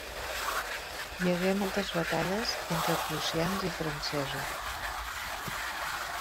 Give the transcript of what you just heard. Hi hagué moltes batalles entre prussians i francesos.